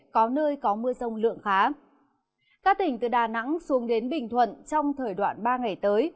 các tỉnh từ đà nẵng xuống đến bình thuận trong thời đoạn ba ngày tới